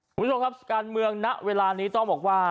คุณผู้ชมครับการเมืองณเวลานี้ต้องบอกว่า